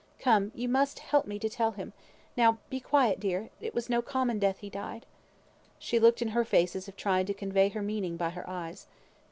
Come, you must help me to tell him. Now be quiet, dear! It was no common death he died!" She looked in her face as if trying to convey her meaning by her eyes.